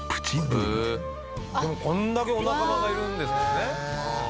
「でもこんだけお仲間がいるんですもんね」